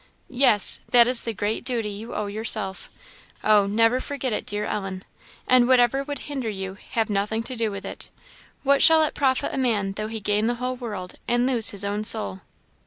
Yes that is the great duty you owe yourself. Oh, never forget it, dear Ellen! And whatever would hinder you, have nothing to do with it. 'What shall it profit a man though he gain the whole world, and lose his own soul?'